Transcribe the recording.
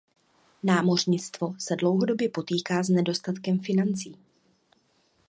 Námořnictvo se dlouhodobě potýká s nedostatkem financí.